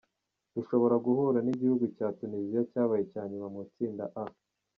Rushobora guhura n’igihugu cya Tuniziya cyabaye icya nyuma mu itsinda A.